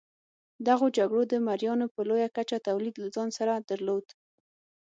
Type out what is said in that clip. دغو جګړو د مریانو په لویه کچه تولید له ځان سره درلود.